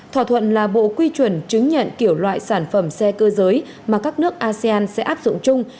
thỏa thuận là bộ quy chuẩn chứng nhận kiểu loại sản phẩm xe cơ giới mà các nước asean sẽ áp dụng chung